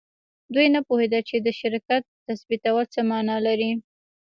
دوی نه پوهیدل چې د شرکت ثبتول څه معنی لري